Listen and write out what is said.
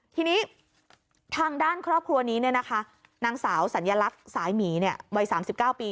ทีนี้ทางด้านครอบครัวนี้เนี่ยนะคะนางสาวสัญลักษณ์สายหมีเนี่ยวัย๓๙ปี